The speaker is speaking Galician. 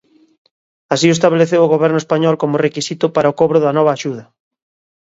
Así o estabeleceu o Goberno español como requisito para o cobro da nova axuda.